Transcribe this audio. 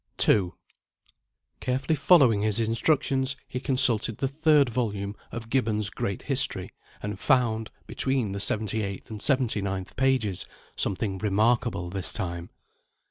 II CAREFULLY following his instructions, he consulted the third volume of Gibbon's great History, and found, between the seventy eighth and seventy ninth pages, something remarkable this time.